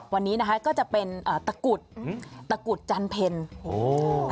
วันนี้นะคะก็จะเป็นอ่าตะกุตตะกุตจันเพลโอ้